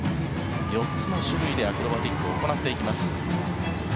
４つの種類でアクロバティックを行っていきます。